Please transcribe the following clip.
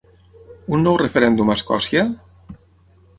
Un nou referèndum a Escòcia?